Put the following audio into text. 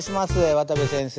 渡部先生。